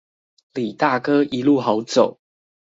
李大哥一路好走